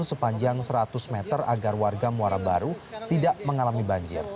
sepanjang seratus meter agar warga muara baru tidak mengalami banjir